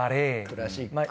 クラシック。